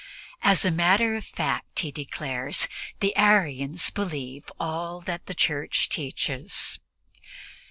As a matter of fact, he declares, the Arians believe all that the Church teaches.